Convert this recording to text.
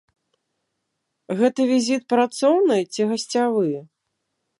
Гэты візіт працоўны ці гасцявы?